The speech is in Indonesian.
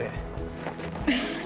dia tuh emang musuh gue